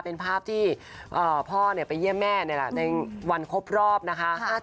เป็นภาพที่พ่อไปเยี่ยมแม่ในวันครบรอบนะคะ